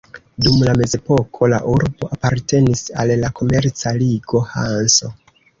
Dum la mezepoko, la urbo apartenis al la komerca ligo Hanso.